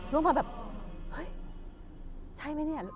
ด้วยมันแบบหุยใช่มะเนี่ย